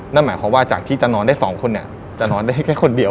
นั่นหมายความว่าจากที่จะนอนได้๒คนเนี่ยจะนอนได้แค่คนเดียว